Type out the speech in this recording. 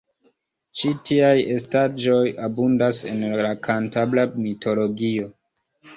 Ĉi tiaj estaĵoj abundas en la kantabra mitologio.